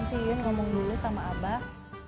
nanti yun ngomong dulu sama abah